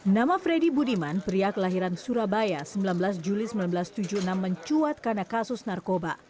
nama freddy budiman pria kelahiran surabaya sembilan belas juli seribu sembilan ratus tujuh puluh enam mencuat karena kasus narkoba